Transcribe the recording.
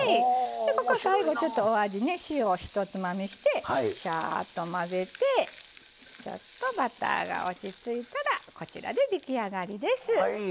最後、ちょっとお味、塩をひとつまみしてしゃーっと混ぜてバターが落ち着いたらこちらで出来上がりです。